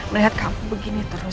melihat kamu begini terus